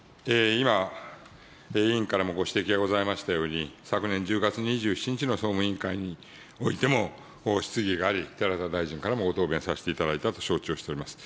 今、委員からもご指摘がございましたように、昨年１０月２７日の総務委員会においても質疑があり、寺田大臣からもご答弁させていただいたと承知をしております。